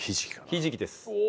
ひじきです。